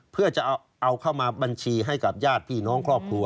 เพื่อจะเอาเข้ามาบัญชีให้กับญาติพี่น้องครอบครัว